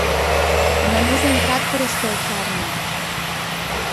Només he entrat per escalfar-me.